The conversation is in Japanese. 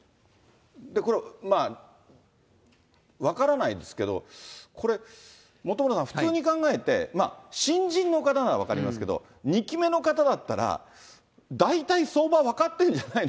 これ分からないですけど、これ、本村さん、普通に考えて、新人の方なら分かりますけど、２期目の方だったら、大体、相場は分かってんじゃないの？